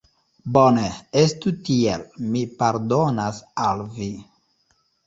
Bone, estu tiel, mi pardonas al vi.